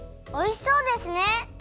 おいしそうですね！